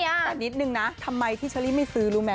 แต่นิดนึงนะทำไมที่เชอรี่ไม่ซื้อรู้ไหม